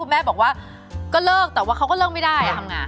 ของแม่บอกว่าก็เลิกแต่ว่าเขาก็เลิกไม่ได้